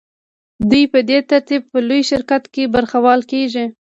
دوی په دې ترتیب په لوی شرکت کې برخوال کېږي